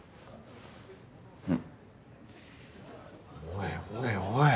おいおいおい。